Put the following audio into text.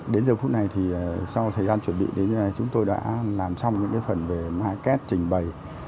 đến giờ phút này thì sau thời gian chuẩn bị đến giờ này chúng tôi đã làm xong những phần về máy két trình bày